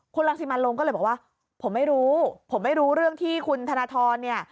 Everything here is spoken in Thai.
คุณรังสิมันลงก็เลยบอกว่าผมไม่รู้ผมไม่รู้เรื่องที่คุณธนทรเนี่ย